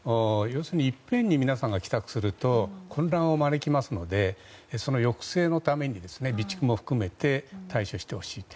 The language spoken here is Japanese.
いっぺんに皆さんが帰宅すると混乱を招きますのでその抑制のために備蓄も含めて対処してほしいと。